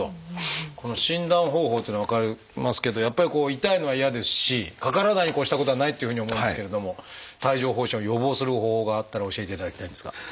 この診断方法っていうのは分かりますけどやっぱりこう痛いのは嫌ですしかからないに越したことはないっていうふうに思いますけれども帯状疱疹を予防する方法があったら教えていただきたいんですが。